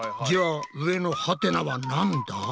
じゃあ上のハテナはなんだ？